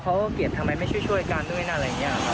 เขาก็เก็บทำไมไม่ช่วยช่วยกันด้วยอะไรอย่างนี้ครับ